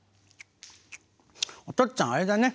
・おとっつぁんあれだね。